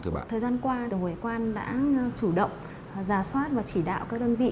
thời gian qua tổng hội hải quan đã chủ động giả soát và chỉ đạo các đơn vị